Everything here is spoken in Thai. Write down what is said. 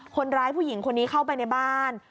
ผู้หญิงคนนี้เข้าไปในบ้าน